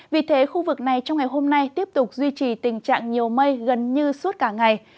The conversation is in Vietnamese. vì thế khu vực này trong ngày hôm nay tiếp tục duy trì tình trạng nhiều mây gần như suốt cả ngày